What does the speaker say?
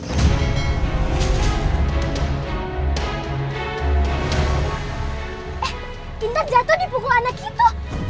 eh nintan jatuh dipukul anak itu